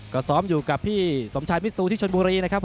ก็ซ้อมอยู่กับพี่สมชายมิซูที่ชนบุรีนะครับ